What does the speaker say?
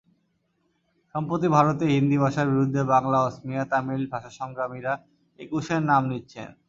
সম্প্রতি ভারতে হিন্দি ভাষার বিরুদ্ধে বাংলা, অসমিয়া, তামিল ভাষাসংগ্রামীরা একুশের নাম নিচ্ছেন।